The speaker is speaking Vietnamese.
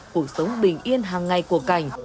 cuộc sống bình yên hàng ngày của cảnh